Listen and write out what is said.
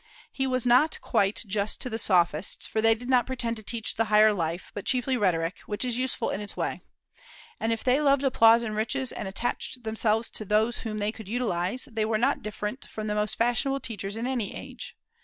He was not quite just to the Sophists, for they did not pretend to teach the higher life, but chiefly rhetoric, which is useful in its way. And if they loved applause and riches, and attached themselves to those whom they could utilize, they were not different from most fashionable teachers in any age.